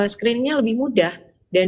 screeningnya lebih mudah dan